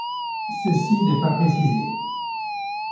Ceci n'est pas précisé.